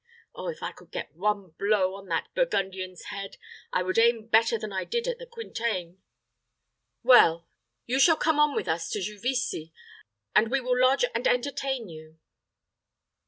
Oh, if I could get one blow at that Burgundian's head, I would aim better than I did at the Quintain. Well, you shall come on with us to Juvisy, and we will lodge and entertain you."